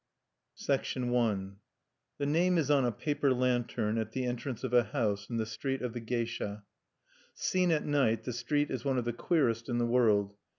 I The name is on a paper lantern at the entrance of a house in the Street of the Geisha. Seen at night the street is one of the queerest in the world.